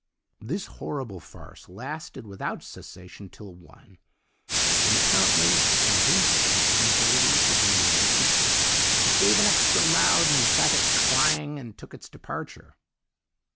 "This horrible farce lasted without cessation till one, when, apparently convinced of its inability to gain admittance, it gave an extra loud and emphatic clang and took its departure.